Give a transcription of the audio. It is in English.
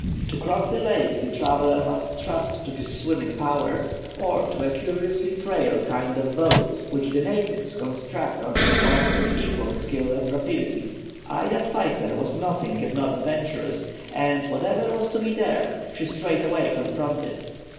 To cross the lake the traveller must trust to his swimming powers, or to a curiously frail kind of boat which the natives construct on the spot with equal skill and rapidity. Ida Pfeiffer was nothing if not adventurous, and whatever was to be dared, she straightway confronted.